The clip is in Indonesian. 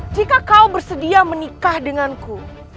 jika kau bersedia menikah denganku